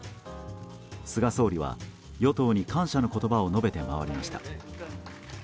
菅総理は、与党に感謝の言葉を述べて回りました。